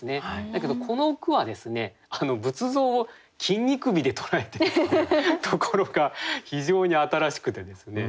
だけどこの句は仏像を筋肉美で捉えてるっていうところが非常に新しくてですね。